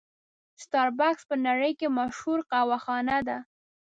سټار بکس په نړۍ کې مشهوره قهوه خانه ده.